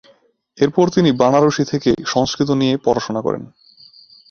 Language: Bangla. এরপর তিনি বারাণসী থেকে সংস্কৃত নিয়ে পড়াশোনা করেন।